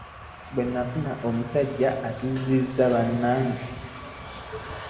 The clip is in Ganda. Byanfuna musajja atuzisa bannange .